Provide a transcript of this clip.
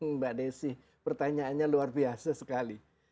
mbak desi pertanyaannya luar biasa sekali